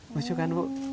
lucu kan bu